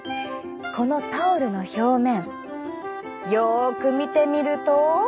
このタオルの表面よく見てみると。